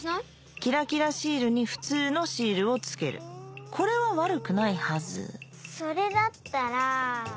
キラキラシールに普通のシールを付けるこれは悪くないはずそれだったら。